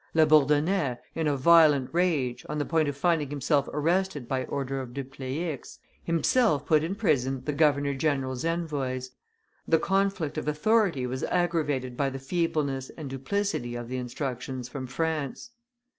La Bourdonnais, in a violent rage, on the point of finding himself arrested by order of Dupleix, himself put in prison the governor general's envoys; the conflict of authority was aggravated by the feebleness and duplicity of the instructions from France.